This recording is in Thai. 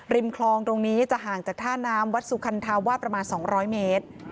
คลองตรงนี้จะห่างจากท่าน้ำวัดสุคันธาวาสประมาณ๒๐๐เมตร